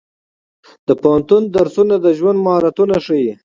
د پوهنتون درسونه د ژوند مهارتونه ښيي.